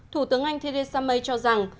thủ tướng anh theresa may cho rằng